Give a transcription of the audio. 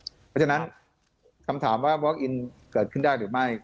เพราะฉะนั้นคำถามว่าบล็อกอินเกิดขึ้นได้หรือไม่